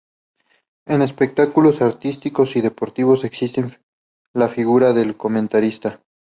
En espectáculos artísticos y deportivos, existe la figura del comentarista.